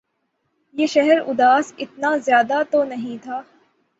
یہ شہر اداس اتنا زیادہ تو نہیں تھا